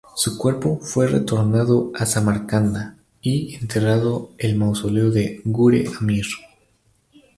Su cuerpo fue retornado a Samarcanda y enterrado el mausoleo de Gur-e Amir.